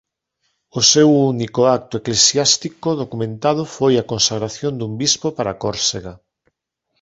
O seu único acto eclesiásticos documentado foi a consagración dun bispo para Córsega.